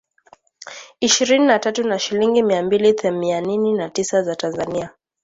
ishirini na tatu na shilingi mia mbili themianini na tisa za Tanzania